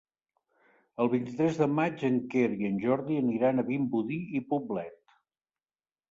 El vint-i-tres de maig en Quer i en Jordi aniran a Vimbodí i Poblet.